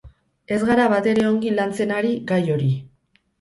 Ez gara batere ongi lantzen ari gai hori.